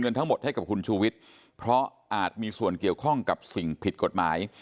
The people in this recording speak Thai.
ทั้งหมดให้กับคุณชูวิทย์เพราะอาจมีส่วนเกี่ยวข้องกับสิ่งผิดกฎหมาย